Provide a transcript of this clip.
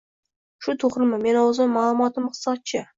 shu to‘g‘rimi, men o‘zim ma’lumotim iqtisodchi